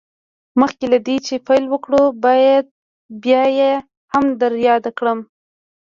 مخکې له دې چې پيل وکړو بايد بيا يې هم در ياده کړم.